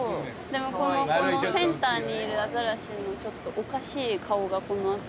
でもこのセンターにいるアザラシのちょっとおかしい顔がこの後。